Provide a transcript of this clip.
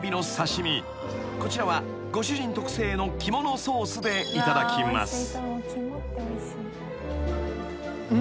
［こちらはご主人特製の肝のソースでいただきます］